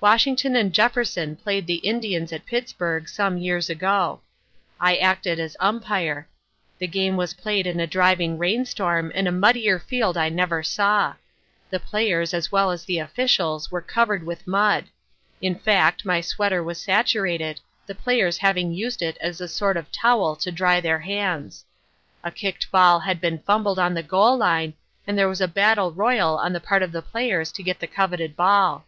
Washington and Jefferson played the Indians at Pittsburgh some years ago. I acted as Umpire. The game was played in a driving rain storm and a muddier field I never saw. The players, as well as the officials, were covered with mud. In fact my sweater was saturated, the players having used it as a sort of towel to dry their hands. A kicked ball had been fumbled on the goal line and there was a battle royal on the part of the players to get the coveted ball.